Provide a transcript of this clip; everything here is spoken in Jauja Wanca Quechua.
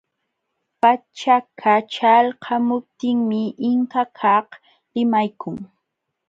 Pachaka ćhalqamuptinmi Inkakaq limaykun.